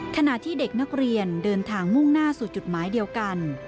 ขณะที่เด็กนักเรียนเดินทางมุ่งหน้าสู่จุดหมายเดียวกัน